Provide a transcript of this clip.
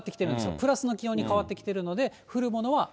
プラスの気温に変わってきているんで、降るものは雨。